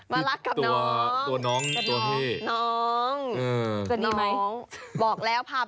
แบบแบบแบบแบบ